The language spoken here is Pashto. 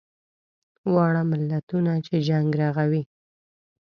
واړه ملتونه چې جنګ رغوي.